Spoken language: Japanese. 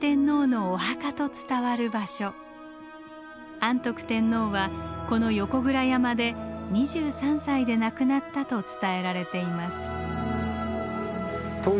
安徳天皇はこの横倉山で２３歳で亡くなったと伝えられています。